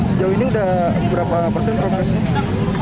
sejauh ini sudah berapa persen progresnya